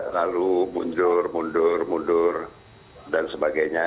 lalu mundur mundur mundur dan sebagainya